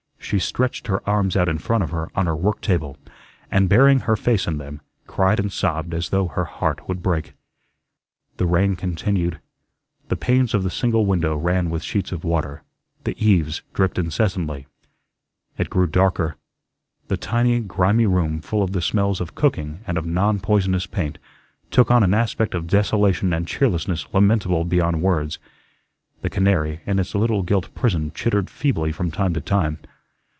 She stretched her arms out in front of her on her work table, and, burying her face in them, cried and sobbed as though her heart would break. The rain continued. The panes of the single window ran with sheets of water; the eaves dripped incessantly. It grew darker. The tiny, grimy room, full of the smells of cooking and of "non poisonous" paint, took on an aspect of desolation and cheerlessness lamentable beyond words. The canary in its little gilt prison chittered feebly from time to time.